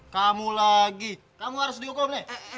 kamu lagi kamu harus dihukum nih